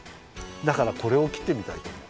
だからこれをきってみたいとおもう。